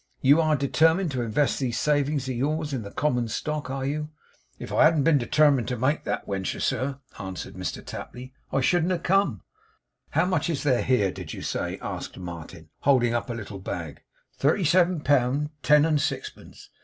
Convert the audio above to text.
You are determined to invest these savings of yours in the common stock, are you?' 'If I hadn't been determined to make that wentur, sir,' answered Mr Tapley, 'I shouldn't have come.' 'How much is there here, did you say' asked Martin, holding up a little bag. 'Thirty seven pound ten and sixpence.